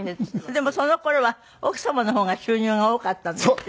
でもその頃は奥様の方が収入が多かったんですって？